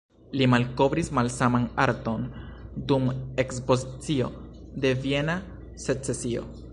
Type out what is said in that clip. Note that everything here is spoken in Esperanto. Li malkovris malsaman arton dum ekspozicio de Viena Secesio.